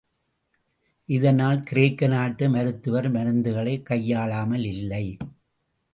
இதனால் கிரேக்க நாட்டு மருத்துவர், மருந்துகளைக் கையாளாமல் இல்லை.